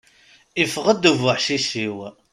Iffeɣ-d ubuḥcic-iw.